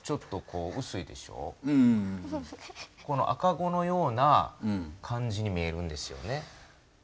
赤子のような感じに見えるんですよね。